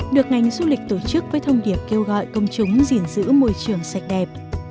được ngành du lịch tổ chức với thông điệp kêu gọi công chúng gìn giữ môi trường sạch đẹp